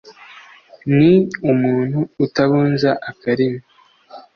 ni umuntu utabunza akarimi